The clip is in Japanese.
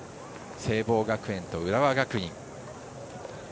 聖望学園と浦和学院。